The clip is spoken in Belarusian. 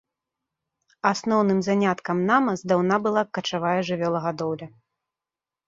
Асноўным заняткам нама здаўна была качавая жывёлагадоўля.